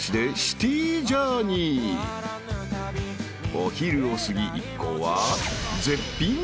［お昼を過ぎ一行は］